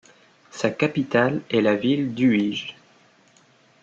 Sa capitale est la ville d'Uíge.